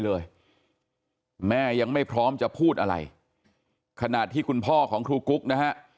เลยแม่ยังไม่พร้อมจะพูดอะไรขณะที่คุณพ่อของครูกุ๊กนะฮะ